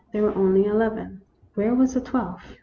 There were only eleven. Where was the twelfth